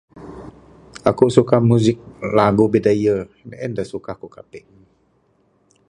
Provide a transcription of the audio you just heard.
Aku suka muzik lagu Bidayuh, en dak suka aku kaping